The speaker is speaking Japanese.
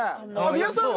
皆さんも。